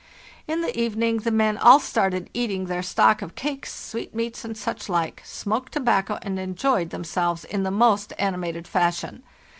"In the evening the men all started eating their stock of cakes, sweetmeats, and such like, smoked tobacco, and enjoyed themselves in the most animated fashion.